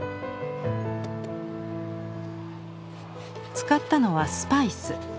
使ったのはスパイス。